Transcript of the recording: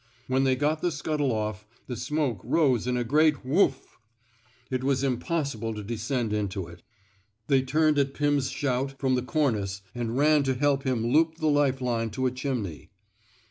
When they got the scuttle off, the smoke rose in a great whoof." It was impossible to descend into it. They turned at Pim's shout from the cornice and ran to help him loop the life line to a chimney.